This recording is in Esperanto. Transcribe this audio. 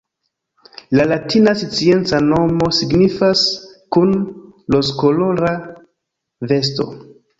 La latina scienca nomo signifas “kun rozkolora vesto”.